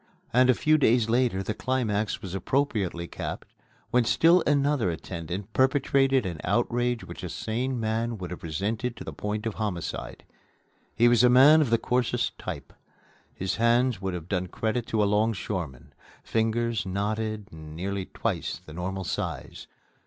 And a few days later the climax was appropriately capped when still another attendant perpetrated an outrage which a sane man would have resented to the point of homicide. He was a man of the coarsest type. His hands would have done credit to a longshoreman fingers knotted and nearly twice the normal size.